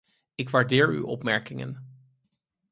Ik waardeer uw opmerkingen!